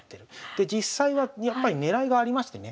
で実際はやっぱり狙いがありましてね